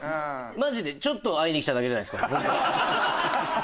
マジでちょっと会いに来ただけじゃないですか本当。